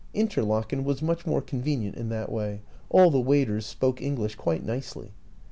Interlaken was much more convenient in that way ; all the waiters spoke Eng lish quite nicely.